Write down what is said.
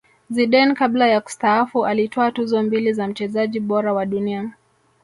zidane kabla ya kustaafu alitwaa tuzo mbili za mchezaji bora wa dunia